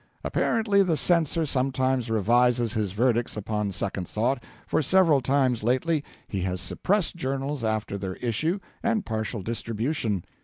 Apparently the censor sometimes revises his verdicts upon second thought, for several times lately he has suppressed journals after their issue and partial distribution.